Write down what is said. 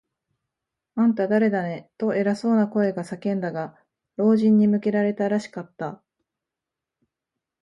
「あんた、だれだね？」と、偉そうな声が叫んだが、老人に向けられたらしかった。